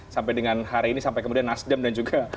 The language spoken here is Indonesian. sampai dengan hari ini sampai kemudian nasdem dan juga